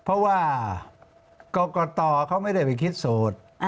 เพราะว่ากรกตเขาไม่ได้ไปคิดสูตร